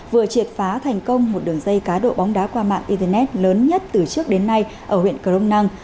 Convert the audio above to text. vừa triệt phá thành công một đường dây cá độ bóng đá qua mạng internet lớn nhất từ trước đến nay ở huyện cờ rông năng